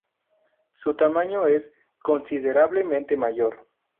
Su tamaño es considerablemente mayor.